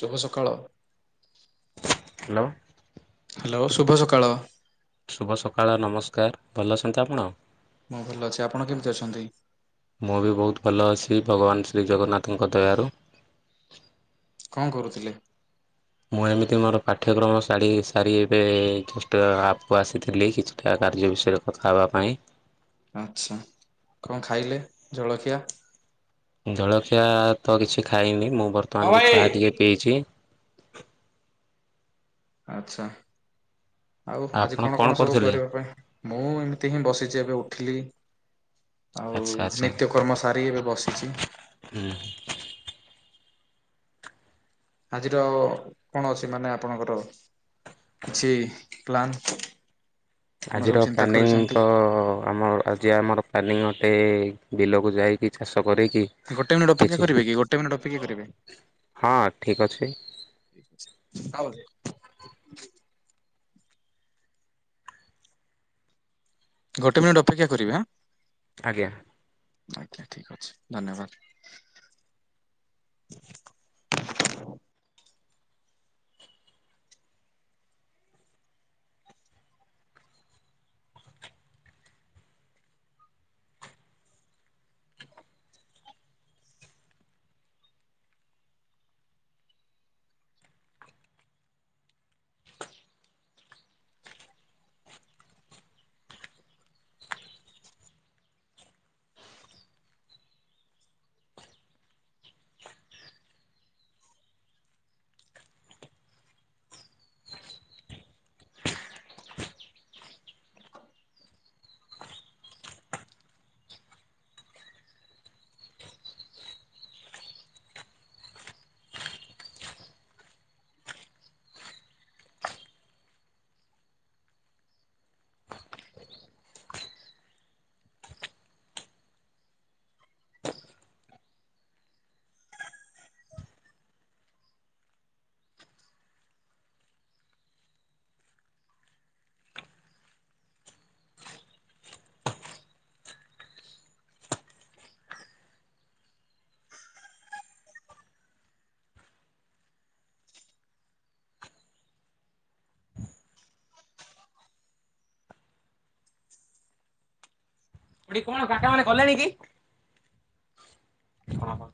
ଶୁଭ ସକାଳ। Hello. Hello ଶୁଭ ସକାଳ। ଶୁଭ ସକାଳ ନମସ୍କାର। ଭଲ ଅଛନ୍ତି ତ ଆପଣ? ମୁଁ ଭଲ ଅଛି। ଆପଣ କେମିତି ଅଛନ୍ତି? ମୁଁ ବି ବହୁତ ଭଲ ଅଛି ଭଗବାନ ଶ୍ରୀ ଜଗନ୍ନାଥଙ୍କ ଦୟାରୁ। କଣ କରୁଥିଲେ? ମୁଁ ଏମିତି ମୋର ପାଠ୍ୟକ୍ରମ ସାରି ସାରି ଏବେ [inaudible] ଆପ କୁ ଆସିଥିଲି। ଆ କାର୍ଯ୍ୟ ବିଷୟରେ କଥା ହେବା ପାଇଁ। ଆଚ୍ଛା। କଣ ଖାଇଲେ ଜଳଖିଆ? ଜଳଖିଆ ତ କିଛି ଖାଇନି ମୁଁ ହଁ ବର୍ତ୍ତମାନଙ୍କୁ ଭାଇ ଚାହା ଟିକିଏ ପିଇଛି। ଆଚ୍ଛା ଆଉ ଆଜି ଆପଣ କଣ କଣ ସବୁ କରୁଥିଲେ? କରିବା ପାଇଁ ମୁଁ ଏମିତି ହିଁ ବସିଛି ଏବେ ଉଠିଲି। ଆଉ ଆଚ୍ଛା ଆଚ୍ଛା ନିତ୍ୟକର୍ମ ସାରିକି ଏବେ ବସିଛି। ହୁଁ। ଆଜିର କଣ ଅଛି ମାନେ ଆପଣଙ୍କର କିଛି ପ୍ଲାନ୍। କଣ ସବୁ ଆଜିର ଚିନ୍ତା ପ୍ଲାନିଙ୍ଗ କରିଛନ୍ତି ତ ଆମର ଆଜି ଆମର ପ୍ଲାନିଙ୍ଗ ଅଟେ ବିଲକୁ ଯାଇକି ଚାଷ କରିକି ଗୋଟେ ମିନିଟ୍ ଅପେକ୍ଷା କିଛି କରିବେ କି ଗୋଟେ ମିନିଟ୍ ଅପେକ୍ଷା କରିବେ? ହଁ ଠିକ୍ ଅଛି ହଉ। ଗୋଟେ ମିନିଟ୍ ଅପେକ୍ଷା କରିବେ ଆଁ। ଆଜ୍ଞା। ଆଜ୍ଞା ଠିକ୍ ଅଛି ଧନ୍ୟବାଦ। [unintelligible] [unintelligible] [unintelligible] [unintelligible] [unintelligible] ଖୁଡି କଣ କାକା ମାନେ ଗଲେଣି କି? ହଁ ହଁ।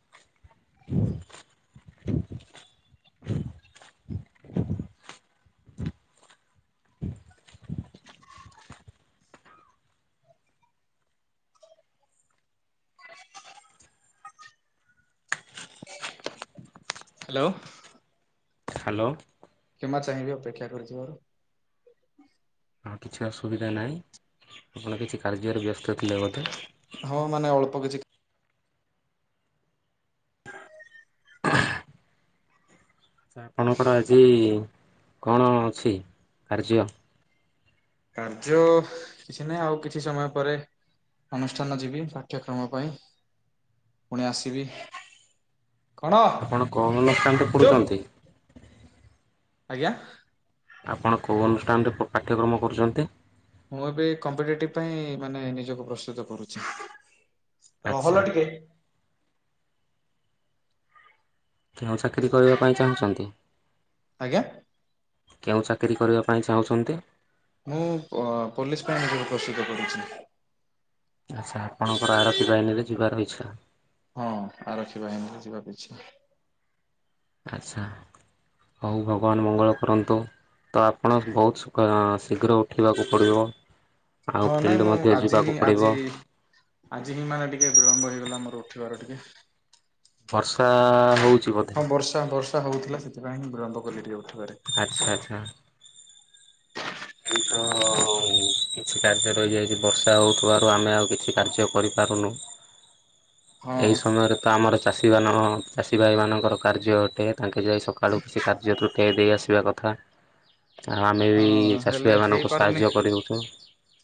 [unintelligible] ହ୍ୟାଲୋ। ହ୍ୟାଲୋ। କ୍ଷମା ଚାହିଁବି ଅପେକ୍ଷା କରିଥିବାରୁ। ଆଉ କିଛି ଅସୁବିଧା ନାହିଁ ଆପଣ କିଛି କାର୍ଯ୍ୟରେ ବ୍ୟସ୍ତ ଥିଲେ ବୋଧେ। ହଁ ମାନେ ଅଳ୍ପ କିଛି ସାର୍ ଆପଣଙ୍କର ଆଜି କଣ ଅଛି କାର୍ଯ୍ୟ? କାର୍ଯ୍ୟ କିଛି ନାହିଁ ଆଉ କିଛି ସମୟ ପରେ ଅନୁଷ୍ଠାନ ଯିବି ପାଠ୍ୟକ୍ରମ ପାଇଁ ପୁଣି ଆସିବି। କଣ ଆପଣ କୋଉ ଅନୁଷ୍ଠାନରେ ଚୁପ୍। ପଢ଼ୁଛନ୍ତି? ଆଜ୍ଞା। ଆପଣ କୋଉ ଅନୁଷ୍ଠାନରେ ପାଠ୍ୟକ୍ରମ କରୁଛନ୍ତି? ମୁଁ ଏବେ କମ୍ପିଟେଟିଭ ପାଇଁ ମାନେ ନିଜକୁ ପ୍ରସ୍ତୁତ କରୁଛି। ଆଚ୍ଛା ରହଲୋ ଟିକେ। କେଉଁ ଚାକିରି କରିବା ପାଇଁ ଚାହୁଁଛନ୍ତି? ଆଜ୍ଞା। କେଉଁ ଚାକିରି କରିବା ପାଇଁ ଚାହୁଁଛନ୍ତି? ମୁଁ ପୋଲିସ ପାଇଁ ପ୍ରସ୍ତୁତ କରୁଛି। ଆଚ୍ଛା ଆପଣଙ୍କର ଆରତୀ ବାହିନିରେ ଯିବାର ଇଚ୍ଛା। ହଁ ଆରକ୍ଷୀ ବାହିନୀରେ ଯିବାକୁ ଇଚ୍ଛା। ଆଚ୍ଛା ହଉ ଭଗବାନ ମଙ୍ଗଳ କରନ୍ତୁ। ତ ଆପଣ ବହୁତ ଶୀଘ୍ର ଉଠିବାକୁ ପଡ଼ିବ। ଆଉ ହଁ ନାଇଁ ଫିଲ୍ଡ ମୁଁ ମଧ୍ୟ ଆଜି ହିଁ ଯିବାକୁ ଆଜି ପଡିବ। ଆଜି ହିଁ ମାନେ ଟିକେ ବିଳମ୍ବ ହେଇଗଲା ମୋର ଉଠିବାର ଟିକେ। ବର୍ଷା ହଉଛି ବୋ ହଁ ବର୍ଷା ବର୍ଷା ହଉଥିଲା। ସେଥିପାଇଁ ବିଳମ୍ବ କଲି ଟିକେ ଉଠିବାରେ। ଆଚ୍ଛା ଆଚ୍ଛା। ଏ ତ କିଛି କାର୍ଯ୍ୟ ରହିଯାଇଛି ବର୍ଷା ହେଉଥିବାରୁ ଆମେ ଆଉ କିଛି କାର୍ଯ୍ୟ କରିପାରୁନୁ। [inaudible] ଏହି ସମୟରେ ତ ଆମର ଚାଷୀମାନ ଚାଷୀ ଭାଇମାନଙ୍କର କାର୍ଯ୍ୟ ଅଟେ। ତାଙ୍କେ ଯାଇ ସକାଳୁ କୃଷି କାର୍ଯ୍ୟ ତୁଟେଇ ଦେଇ ଆସିବା କଥା। ଆଉ ଆମେ ହଁ ବି ଚାଷୀ ହେଲେ ଭାଇ ମାନଙ୍କୁ ହେଇପାରୁନି ସାହାଯ୍ୟ କରିହଉଛୁ।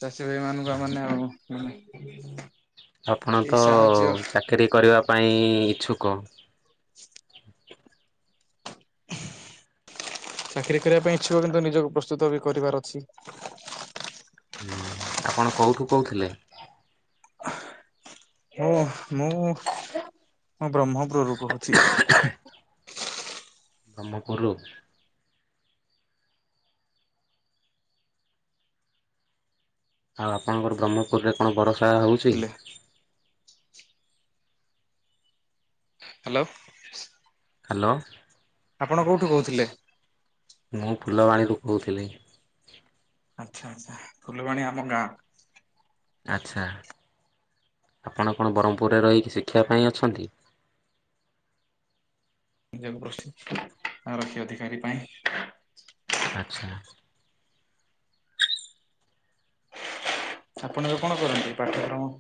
ଚାଷୀ ଭାଇ ମାନଙ୍କୁ ମାନେ ଆଉ ମାନେ ଆପଣ ଏଇ ତ ସାହାଯ୍ୟ ଚାକିରୀ କରିବା ପାଇଁ ଇଚ୍ଛୁକ। [inaudible] ଚାକିରୀ କରିବା ପାଇଁ ଇଚ୍ଛୁକ କିନ୍ତୁ ନିଜକୁ ପ୍ରସ୍ତୁତ ବି କରିବାର ଅଛି। ହୁଁ ଆପଣ କୋଉଠୁ କହୁଥିଲେ? ମୁଁ ମୁଁ ବ୍ରହ୍ମପୁରରୁ କହୁଛି। ବ୍ରହ୍ମପୁୁର। ଆଉ ଆପଣଙ୍କର ବ୍ରହ୍ମପୁରରେ କଣ ବର୍ଷା ହଉଛି? ଥିଲେ ହ୍ୟାଲୋ। ହ୍ୟାଲୋ। ଆପଣ କୋଉଠୁ କହୁଥିଲେ? ମୁଁ ଫୁଲବାଣୀରୁ କହୁଥିଲି। ଆଚ୍ଛା ଆଚ୍ଛା ଫୁଲବାଣୀ ଆମ ଗାଁ। ଆଚ୍ଛା ଆପଣ କଣ ବ୍ରହ୍ମପୁରରେ ରହିକି ଶିଖିବା ପାଇଁ ଅଛନ୍ତି। ନିଜକୁ [unintelligible] ଆରକ୍ଷୀ ଅଧିକାରୀ ପାଇଁ। ଆଚ୍ଛା। ଆପଣ ଏବେ କଣ କରନ୍ତି ପାଠ୍ୟକ୍ରମ?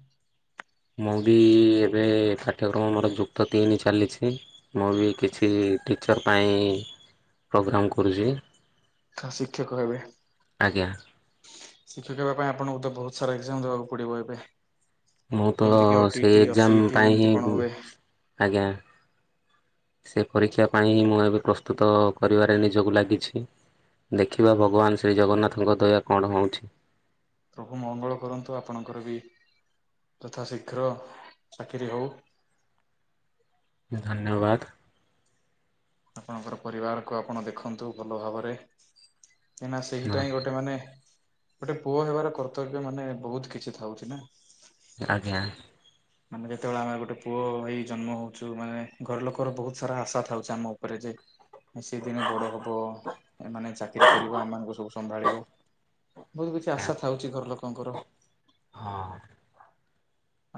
ମୁଁ ବି ଏବେ ପାଠ୍ୟକ୍ରମ ମୋର ଯୁକ୍ତ ତିନି ଚାଲିଛି। ମୁଁ ବି କିଛି ଟିଚର୍ ପାଇଁ ପ୍ରୋଗ୍ରାମ କରୁଛି। ତ ଶିକ୍ଷକ ହେବେ। ଆଜ୍ଞା। ଶିକ୍ଷକ ହେବା ପାଇଁ ଆପଣଙ୍କୁ ତ ବହୁତ ସାରା ଏକ୍ଜାମ ଦେବାକୁ ପଡିବ ଏବେ। ମୁଁ ତ ଯେମିତି କିି ସେଇ ଓଟିଇଟି ଏକ୍ଜାମ ଅସିଇଟି ପାଇଁ ଏମିତି କଣ ହିଁ ହୁଏ। ଆଜ୍ଞା। ସେ ପରୀକ୍ଷା ପାଇଁଁ ମୁଁ ଏବେ ପ୍ରସ୍ତୁତ କରିବାରେ ନିଜକୁ ଲାଗିଛି। ଦେଖିବା ଭଗବାନ ଶ୍ରୀଜଗନ୍ନାଥଙ୍କ ଦୟା କଣ ହେଉଛି। ପ୍ରଭୁ ମଙ୍ଗଳ କରନ୍ତୁ ଆପଣଙ୍କର ବି ଯଥା ଶୀଘ୍ର ଚାକିରି ହଉ। ଧନ୍ୟବାଦ। ଆପଣଙ୍କର ପରିବାରକୁ ଆପଣ ଦେଖନ୍ତୁ ଭଲ ଭାବରେ। କାହିଁନା ସେଇଟା ହଁ ଗୋଟେ ମାନେ ଗୋଟେ ପୁଅ ହେବାର କର୍ତ୍ତବ୍ୟ ମାନେ ବହୁତ କିଛି ଥାଉଛି ନା। ଆଜ୍ଞା। ଆମେ ଯେତେବେଳେ ଆମେ ଗୋଟେ ପୁଅ ହେଇ ଜନ୍ମ ହଉଚୁ ମାନେ ଘର ଲୋକର ବହୁତ ସାରା ଆଶା ଥାଉଚି ଆମ ଉପରେ ଯେ ସେ ଦିନେ ବଡ ହବ ଏମାନେ ଚାକିରି କରିବ ଆମମାନଙ୍କୁ ସବୁ ସମ୍ଭାଳିବ। ବହୁତ କିଛି ଆଶା ଥାଉଚି ଘର ଲୋକଙ୍କର। ହଁ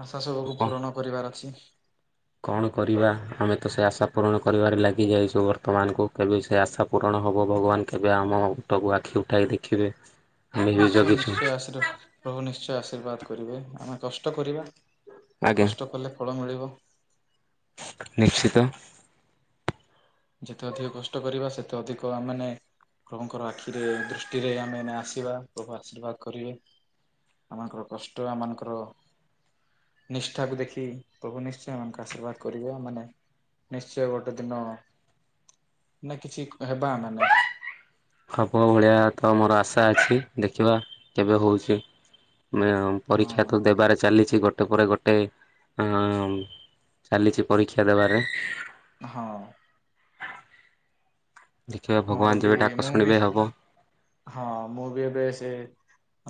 ଆଶା ସବୁକୁ କଣ ପୂରଣ କରିବାର ଅଛି। କଣ କରିବା ଆମେ ତ ସେ ଆଶା ପୂରଣ କରିବାରେ ଲାଗିଯାଇଚୁ ବର୍ତ୍ତମାନଙ୍କୁ କେବେ ସେ ଆଶା ପୂରଣ ହବ ଭଗବାନ କେବେ ଆମ ଟାକୁ ଆଖି ଉଠାଇ ଦେଖିବେ। ଆମେ [unintelligible] ବି ନିଶ୍ଚୟ ଜଗିଛୁ। ନିଶ୍ଚୟ ଆସିର ପ୍ରଭୁ ନିଶ୍ଚୟ ଆଶୀର୍ବାଦ କରିବେ ଆମେ କଷ୍ଟ କରିବା ଆଜ୍ଞା କଷ୍ଟ କଲେ ଫଳ ମିଳିବ। [unintelligible] ନିଶ୍ଚିତ। ଯେତେ ଅଧିକ କଷ୍ଟ କରିବା ସେତେ ଅଧିକ ଆମେ ମାନେ ପ୍ରଭୁଙ୍କର ଆଖିରେ ଦୃଷ୍ଟିରେ ଆମେମାନେ ଆସିବା ପ୍ରଭୁ ଆଶୀର୍ବାଦ କରିବେ। ଆମମାନଙ୍କର କଷ୍ଟ ଆମମାନଙ୍କର ନିଷ୍ଠାକୁ ଦେଖି ପ୍ରଭୁ ନିଶ୍ଚୟ ଆଶୀର୍ବାଦ କରିବେ ମାନେ ନିଶ୍ଚୟ ଗୋଟେ ଦିନ ନା କିଛି କ ହେବା ଆମେମାନେ ହବ ଭଳିଆ ତ ମୋର ଆଶା ଅଛି ଦେଖିବା କେବେ ହଉଛି। ମେ ପରୀକ୍ଷା ତ ହଁ ଦେବାରେ ଚାଲିଚି ଗୋ ଗୋଟେ ପରେ ଗୋଟେ ଅମ ଚାଲିଛି ପରୀକ୍ଷା ଦେବାରେ। ହଁ। ଦେଖିବା ମୋର ଭଗବାନ ବି ଯେବେ ଡାକ ମୁଁ ବି ଶୁଣିବେ ହବ। ହଁ ମୁଁ ବି ଏବେ ସେ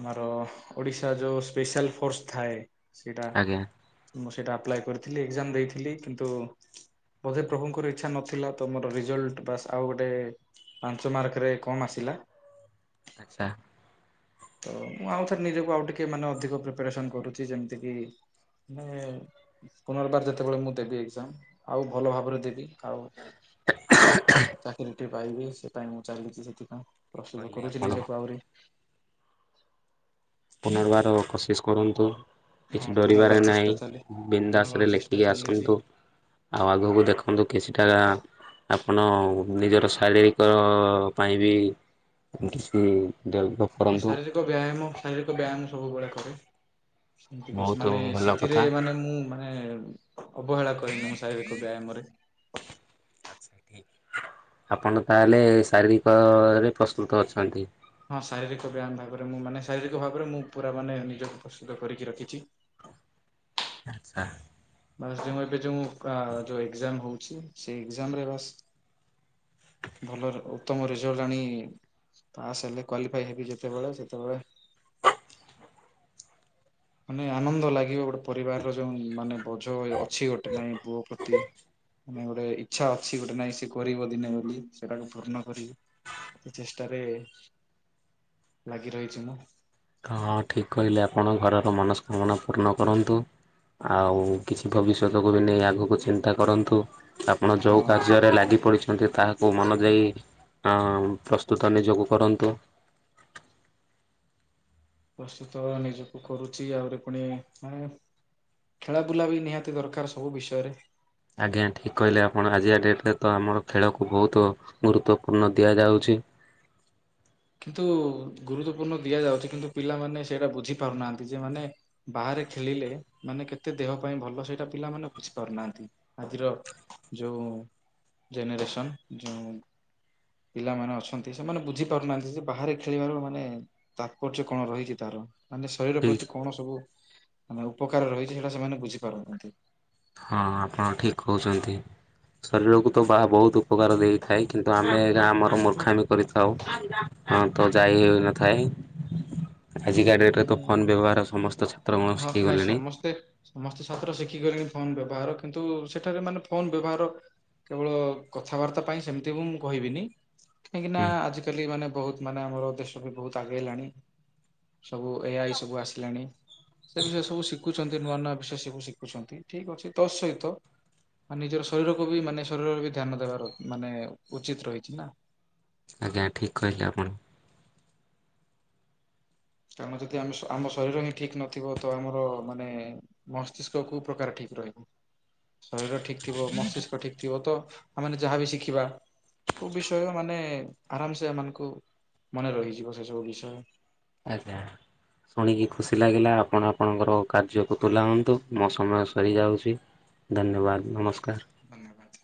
ଆମର ଓଡିଶା ଯୋଉ ସ୍ପେଶାଲ ଫୋର୍ସ ଥାଏ ସେଇଟା ଆଜ୍ଞା। ମୁଁ ସେଇଟା ଆପ୍ଲାଏ କରିଥିଲି ଏକ୍ଜାମ ଦେଇଥିଲି କିନ୍ତୁ ବୋଧେ ପ୍ରଭୁଙ୍କର ଇଚ୍ଛା ନଥିଲା ତ ମୋର ରେଜଲ୍ଟ ବାସ ଆଉ ଗୋଟେ ପାଞ୍ଚ ମାର୍କରେ କମ୍ ଆସିଲା। [unintelligible] ତ ମୁଁ ଆଉଥରେ ନିଜକୁ ଆଉ ଟିକେ ମାନେ ଅଧିକ ପ୍ରିପାୟରେସନ୍ କରୁଚି ଯେମିତିକି ମାନେ ପୁନର୍ବାର ଯେତେବେଳେ ମୁଁ ଦେବି ଏଗଜାମ୍ ଆଉ ଭଲ ଭାବରେ ଦେବି। ଆଉ ଚାକିରିଟିଏ ପାଇବି ସେ ପାଇଁ ମୁଁ ଚାଲିଚି ସେଥିପାଇଁ। ଠିକ ପ୍ରସ୍ତୁତ କହିଲେ କରୁଚି ଆପଣ ନିଜକୁ ଆଉରି [unintelligible] ପୁନର୍ବାର କୋସିିସ୍ କରନ୍ତୁ। ହଁ କିଛି ଡରିବାରେ ପୁନର୍ବାର ନାଇ ଚେଷ୍ଟା ଚାଲେ ପୁନର୍ବାର ବିନ୍ଦାସରେ ଚେଷ୍ଟା ଲେଖିକି ଚାଲିଛି ଆସନ୍ତୁ। ଆଉ ଆଗକୁ ଦେଖନ୍ତୁ କିଛିଟା ଆପଣ ନିଜର ଶାରୀରିକ ର ପାଇଁ ବି କିସ ଉଁ ଡେଭଲପ୍ କରନ୍ତୁ। ଓ ବ୍ୟାୟାମ ଶାରୀରିକ ବ୍ୟାୟାମ ସବୁବେଳେ କରେ। ଏମିତି କିଛି ବହୁତ ମାନେ ଭଲ ସେଥିରେ କଥା। ମାନେ ମୁଁ ମାନେ ଅବହେଳା କରିନି ମୁଁ ଶାରୀରିକ ବ୍ୟାୟାମରେ। ଆଚ୍ଛା, ଠିକ୍ ଆପଣ ତାହେଲେ ଶାରୀରିକରେ ପ୍ରସ୍ତୁତ ଅଛନ୍ତି। ହଁ ଶାରୀରିକ ବ୍ୟାୟାମ ଭାବରେ ମୁଁ ମାନେ ଶାରୀରିକ ଭାବରେ ମୁଁ ପୁରା ମାନେ ନିଜକୁ ପ୍ରସ୍ତୁତ କରିକି ରଖିଚି। ଆଚ୍ଛା। ବାସ୍ ଯୋଉଁ ଏବେ ଯୋଉଁ କା ଯୋଉ ଏଗ୍ଜାମ ହଉଛି ସେ ଏଗ୍ଜାମରେ ବାସ୍ ଭଲ ଉତ୍ତମ ରେଜଲ୍ଟ ଆଣି ପାସ୍ ହେଲେ କ୍ୱାଲିଫାଏ ହେବି ଯେତେବେଳେ ସେତେବେଳେ ମାନେ ଆନନ୍ଦ ଲାଗିବ ଗୋଟେ ପରିବାର ର ଯୋଉ ମାନେ ବୋଝ କିଛି ଗୋଟେ ନାଇଁ ପୁଅ ପ୍ରତି ମାନେ ଗୋଟେ ଇଚ୍ଛା ଅଛି ଗୋଟେ ନାଇଁ ସେ କରିବ ଦିନେ ବୋଲି ସେଟାକୁ ପୂର୍ଣ୍ଣ କରିବି। ସେ ଚେଷ୍ଟାରେ ଲାଗି ରହିଚି ମୁଁ। ହଁ ଠିକ୍ କହିଲେ ଆପଣ ଘରର ମନସ୍କାମନା ପୂର୍ଣ୍ଣ କରନ୍ତୁ। ଆଉ କିଛି ଭବିଷ୍ୟତକୁ ବି ନେଇ ଆଗକୁ ଚିନ୍ତା କରନ୍ତୁ। ଆପଣ ଯେଉଁ ହଁ। କାର୍ଯ୍ୟରେ ଲାଗି ପଡ଼ିଛନ୍ତି ତାହା ଓ ମନ ଦେଇ ଆଁ ପ୍ରସ୍ତୁତ ନିଜକୁ କରନ୍ତୁ। ପ୍ରସ୍ତୁତ ନିଜକୁ କରୁଛି ଆଉରି ପୁଣି ମୁଁ ଖେଳା ବୁଲା ବି ନିହାତି ଦରକାର ସବୁ ବିଷୟରେ। ଆଜ୍ଞା ଠିକ୍ କହିଲେ ଆପଣ ଆଜି କା ଡେଟ୍ ରେ ତ ଆମର ଖେଳକୁ ବହୁତୁ ଗୁରୁତ୍ୱପୂର୍ଣ୍ଣ ଦିଆଯାଉଛି। କିନ୍ତୁ ଗୁରୁତ୍ୱପୂର୍ଣ୍ଣ ଦିଆଯାଉଛି କିନ୍ତୁ ପିଲାମାନେ ସେଇଟା ବୁଝି ପାରୁନାହାନ୍ତି ଯେ ମାନେ ବାହାରେ ଖେଳିଲେ ମାନେ କେତେ ଦେହ ପାଇଁ ଭଲ ସେଇଟା ପିଲାମାନେ ବୁଝି ପାରୁନାହାନ୍ତି। ଆଜିର ଯୋଉ ଜେନେରେସନ୍ ଯେଉଁ ପିଲାମାନେ ଅଛନ୍ତି, ସେମାନେ ବୁଝିପାରୁନାହାନ୍ତି ଯେ ବାହାରେ ଖେଳିବାର ମାନେ ତାତ୍ପର୍ଯ୍ୟ କଣ ରହିଛି ତାର ମାନେ ଶରୀର ଠିକ୍ ପ୍ରତି କଣ ସବୁ ମାନେ ଉପକାର ରହିଛି ସେଟା ସେମାନେ ବୁଝିପାରୁନ୍ତି। ହଁ ହଁ ଆପଣ ଠିକ୍ କହୁଛନ୍ତି। ଶରୀରକୁ ତ ବା ବହୁତ ଉପକାର ଦେଇଥାଏ କିନ୍ତୁ ଆମେ ଆମର ମୂର୍ଖାମି କରିଥାଉ। ହଁ ତ ଯାଇ ହେଉନଥାଏ। ଆଜିକା ଡେଟ୍ରେ ତ ମାନେ ଫୋନ୍ ବ୍ୟବହାର ସମସ୍ତ ଛାତ୍ରମାନଙ୍କୁ ହଁ ନାଇଁ ଶିଖିଗଲେଣି। ସମସ୍ତେ ସମସ୍ତେ ଛାତ୍ର ଶିଖିଗଲେଣି ଫୋନ ବ୍ୟବହାର କିନ୍ତୁ ସେଠାରେ ମାନେ ଫୋନ ବ୍ୟବହାର କେବଳ କଥାବାର୍ତ୍ତା ପାଇଁ ସେମିତି ବି ମୁଁ କହିବିନି କାହିଁକି ନା ହୁଁ ଆଜିକାଲି ମାନେ ବହୁତ ମାନେ ଆମର ଦେଶ ବି ବହୁତ ଆଗେଇଲାଣି ସବୁ ଏଆଇ ସବୁ ଆସିଲାଣି ସେ ବିଷୟ ସବୁ ଶିଖୁ ଶିଖୁଛନ୍ତି ନୂଆ ନୂଆ ବିଷୟ ସବୁ ଶିଖୁଛନ୍ତି ଠିକ ଅଛି ତ ସହିତ ମାନ ନିଜର ଶରୀରକୁ ବି ମାନେ ଶରୀରର ବି ଧ୍ୟାନ ଦେବାର ମାନେ ଉଚିତ ରହିଛି ନା। ଆଜ୍ଞା ଠିକ୍ କହିଲେ ଆପଣ। ଆମ ଯଦି ଆମ ଆମ ଶରୀର ହିଁ ଠିକ ନଥିବ ତ ଆମର ମାନେ ମସ୍ତିଷ୍କ କୋଉ ପ୍ରକାର ଠିକ ରହିବ ଶରୀର ଠିକ ଥିବ ମସ୍ତିଷ୍କ ଠିକ ଥିବ ତ ଆମେ ଯାହାବି ଶିଖିବା ବିଷୟ ମାନେ ଆରାମ ସେ ଏମାନଙ୍କୁ ମନେ ରହିଯିବ ସେ ସବୁ ବିଷୟ। ଆଜ୍ଞା ଶୁଣିକି ଖୁସି ଲାଗିଲା ଆପଣ ଆପଣଙ୍କର କାର୍ଯ୍ୟକୁ ତୁଲାଅନ୍ତୁ। ମୁଁ ସମୟ ସରିଯାଉଛି ଧନ୍ୟବାଦ ନମସ୍କାର। ଧନ୍ୟବାଦ।